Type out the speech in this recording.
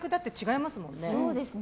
そうですね。